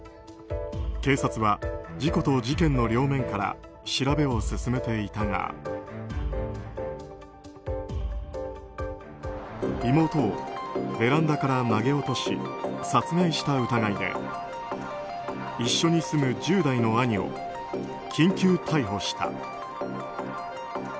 警察は事故と事件の両面から調べを進めていたが妹をベランダから投げ落とし殺害した疑いで一緒に住む１０代の兄を緊急逮捕した。